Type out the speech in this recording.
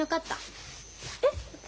えっ？